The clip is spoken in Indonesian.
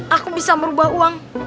aku bisa merubah uang